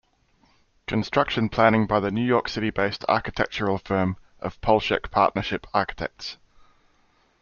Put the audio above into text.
Construction planning by the New York City-based architectural firm of Polshek Partnership Architects.